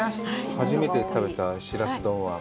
初めて食べたしらす丼は？